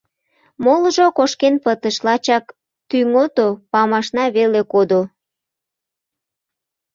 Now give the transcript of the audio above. Молыжо кошкен пытыш, лачак Тӱҥото памашна веле кодо.